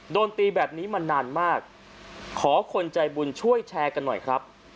โดนตีแบบนี้มานานมากขอคนใจบุญช่วยแชร์กันหน่อยครับ